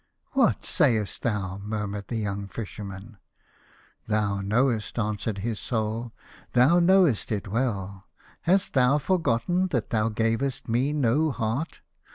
" What sayest thou ?" murmured the young Fisherman. "Thou knowest," answered his Soul, "thou knowest it well. Hast thou forgotten that thou gavest me no heart